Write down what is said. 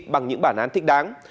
bằng những bản án thích đáng